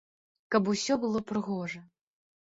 Каб усё было прыгожа.